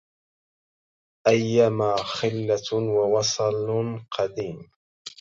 أيما خلة ووصل قديم